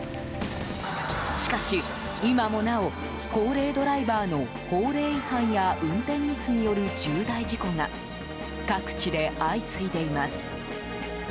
しかし、今もなお高齢ドライバーの法令違反や運転ミスによる重大事故が各地で相次いでいます。